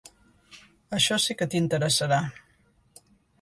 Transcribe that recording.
Això sí que t’interessarà.